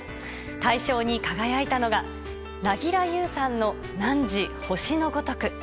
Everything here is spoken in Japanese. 大賞に輝いたのが凪良ゆうさんの「汝、星のごとく」。